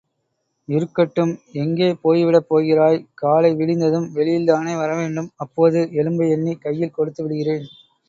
இருக்கட்டும், எங்கே போய்விடப் போகிறாய் காலை விடிந்ததும், வெளியில்தானே வரவேண்டும் அப்போது எலும்பை எண்ணிக் கையில் கொடுத்து விடுகிறேன்.